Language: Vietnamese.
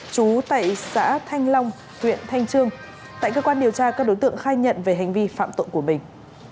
chú tại xã thanh long huyện thanh trương tại cơ quan điều tra các đối tượng khai nhận về hành vi phạm tội của mình